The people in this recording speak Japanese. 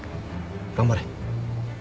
頑張れ。